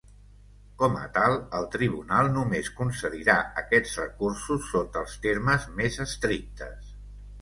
Com a tal, el tribunal només concedirà aquests recursos sota els termes més estrictes.